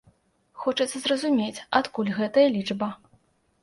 Хочацца зразумець, адкуль гэтая лічба.